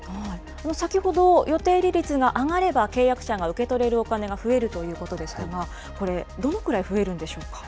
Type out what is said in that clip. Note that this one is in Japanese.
先ほど、予定利率が上がれば、契約者が受け取れるお金が増えるということでしたが、これ、どのくらい増えるんでしょうか？